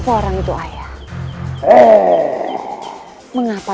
bagian kami stuk relacioname dengan